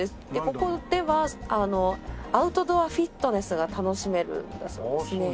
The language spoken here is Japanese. ここではアウトドアフィットネスが楽しめるんだそうですね。